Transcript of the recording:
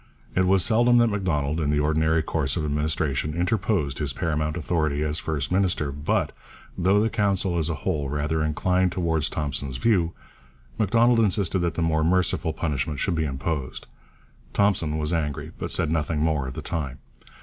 It was seldom that Macdonald, in the ordinary course of administration, interposed his paramount authority as first minister, but, though the Council as a whole rather inclined towards Thompson's view, Macdonald insisted that the more merciful punishment should be imposed. Thompson was angry, but said nothing more at the time.